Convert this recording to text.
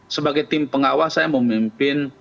sebagai tim pengawas saya memimpin